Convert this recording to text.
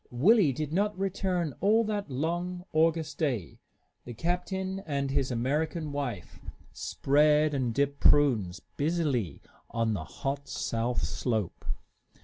Willie did not return all that long, August day. The captain and his American wife spread and dipped prunes busily on the hot south slope.